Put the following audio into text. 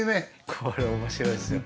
これ面白いですよ。